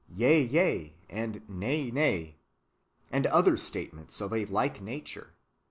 Yea, yea, and Nay, nay." ^ And other statements of a like nature.